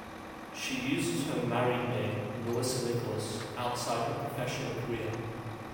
She uses her married name, Melissa Nicholas, outside her professional career.